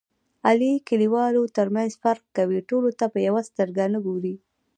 علي د کلیوالو ترمنځ فرق کوي. ټولو ته په یوه سترګه نه ګوري.